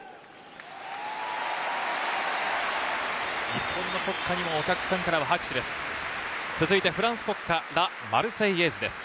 日本の国歌にもお客さんからは拍手です。